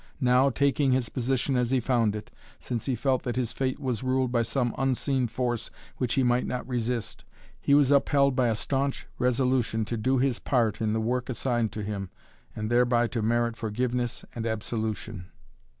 Now, taking his position as he found it, since he felt that his fate was ruled by some unseen force which he might not resist, he was upheld by a staunch resolution to do his part in the work assigned to him and thereby to merit forgiveness and absolution.